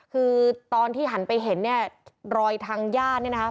คือตอนที่หันไปเห็นเนี่ยรอยทางญาติเนี่ยนะคะ